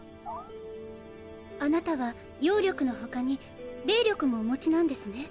あなたは妖力の他に霊力もお持ちなんですね。